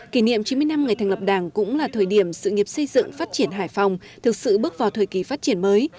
kỷ niệm chín mươi năm ngày thành lập đảng cũng là thời điểm sự nghiệp xây dựng phát triển hải phòng thực sự bước vào thời kỳ phát triển mới